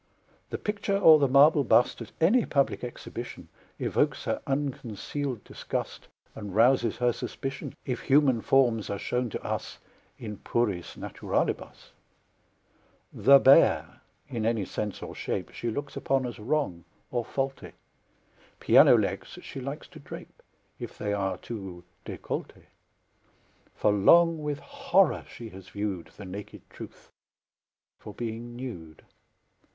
The picture or the marble bust At any public exhibition Evokes her unconcealed disgust And rouses her suspicion, If human forms are shown to us In puris naturalibus. The bare, in any sense or shape. She looks upon as wrong or faulty; Piano legs she likes to drape, If they are too décoll'té; For long with horror she has viewed The naked Truth, for being nude.